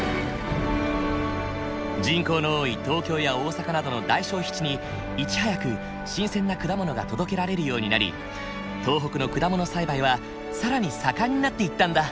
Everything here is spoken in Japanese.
人口の多い東京や大阪などの大消費地にいち早く新鮮な果物が届けられるようになり東北の果物栽培は更に盛んになっていったんだ。